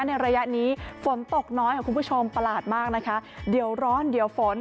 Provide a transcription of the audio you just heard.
ในระยะนี้ฝนตกน้อยค่ะคุณผู้ชมประหลาดมากนะคะเดี๋ยวร้อนเดี๋ยวฝน